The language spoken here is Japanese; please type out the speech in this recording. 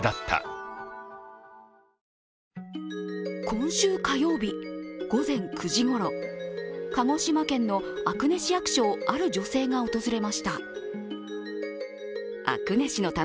今週火曜日、午前９時ごろ、鹿児島県の阿久根市役所をある女性が訪れました。